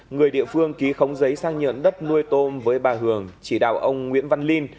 người địa phương ký khống giấy sang nhận đất nuôi tôm với bà hường chỉ đạo ông nguyễn văn linh